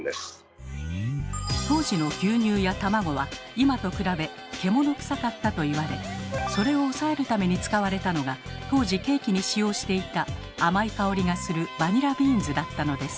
当時の牛乳や卵は今と比べ獣臭かったと言われそれを抑えるために使われたのが当時ケーキに使用していた甘い香りがするバニラビーンズだったのです。